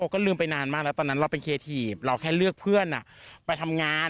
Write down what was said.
ก็ลืมไปนานมากแล้วตอนนั้นเราเป็นเคทีฟเราแค่เลือกเพื่อนไปทำงาน